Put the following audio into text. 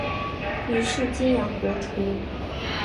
于是泾阳国除。